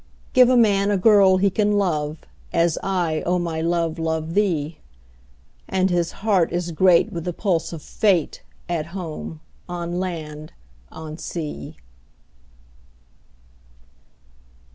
Give a man a girl he can love, As I, O my love, love thee; 10 And his heart is great with the pulse of Fate, At home, on land, on sea.